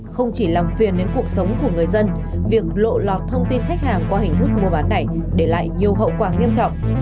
không chỉ làm phiền đến cuộc sống của người dân việc lộ lọt thông tin khách hàng qua hình thức mua bán này để lại nhiều hậu quả nghiêm trọng